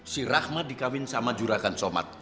si rahma dikawin sama juragan somat